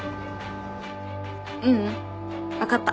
ううん分かった。